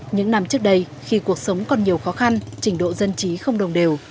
những năm trước đây khi cuộc sống còn nhiều khó khăn trình độ dân trí không đồng đều